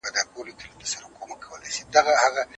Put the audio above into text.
دا د نیکۍ لاره ده چې موږ ورته بلنه ورکوو.